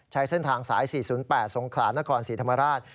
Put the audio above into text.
ใช้เส้นทางสาย๔๐๘สงขลานครศรีธรรมราช